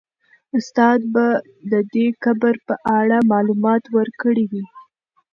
استاد به د دې قبر په اړه معلومات ورکړي وي.